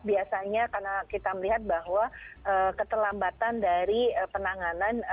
biasanya karena kita melihat bahwa keterlambatan dari penanganan